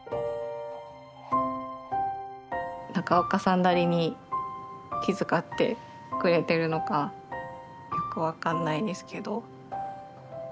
なりに気遣ってくれてるのかよく分かんないですけど。